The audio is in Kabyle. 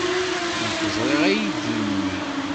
Nekk ẓriɣ aydi-nni.